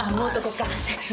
すいません。